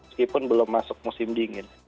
meskipun belum masuk musim dingin